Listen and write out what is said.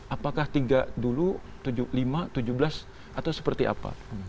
apakah tiga dulu lima tujuh belas atau seperti apa